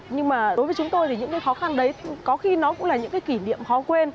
nhưng mà đối với chúng tôi thì những cái khó khăn đấy có khi nó cũng là những cái kỷ niệm khó quên